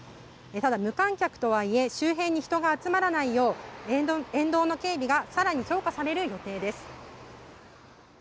ただ、無観客とはいえ周辺に人が集まらないよう沿道の警備が更に強化される予定です。